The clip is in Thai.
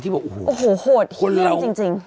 ที่บอกโอ้โหโหดเฮียงจริง